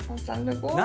何？